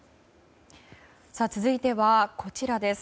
続いてはこちらです。